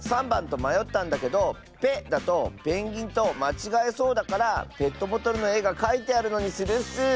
３ばんとまよったんだけど「ペ」だとペンギンとまちがえそうだからペットボトルのえがかいてあるのにするッス！